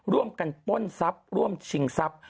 ร่วมกันป้นทรัพย์ร่วมชิงทรัพย์